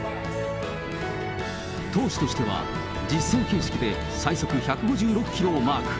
投手としては、実戦形式で最速１５６キロをマーク。